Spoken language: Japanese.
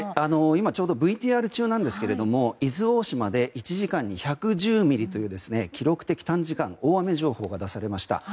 今、ちょうどＶＴＲ中なんですが伊豆大島で１時間に１１０ミリという記録的短時間大雨情報が出されました。